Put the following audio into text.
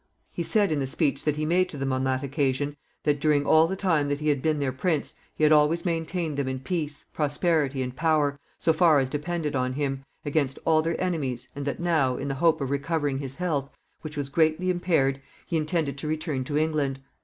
He said in the speech that he made to them on that occasion, that during all the time that he had been their prince, he had always maintained them in peace, prosperity, and power, so far as depended on him, against all their enemies, and that now, in the hope of recovering his health, which was greatly impaired, he intended to return to England.